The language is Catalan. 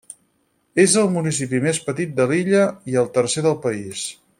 És el municipi més petit de l'illa i el tercer del país.